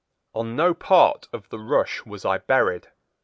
On no part of the rush was I buried.